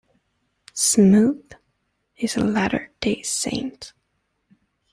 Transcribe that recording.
Smoot is a Latter-day Saint.